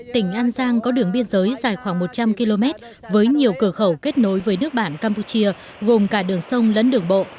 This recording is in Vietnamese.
tỉnh an giang có đường biên giới dài khoảng một trăm linh km với nhiều cửa khẩu kết nối với nước bản campuchia gồm cả đường sông lẫn đường bộ